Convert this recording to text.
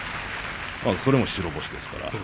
それも白星ですから。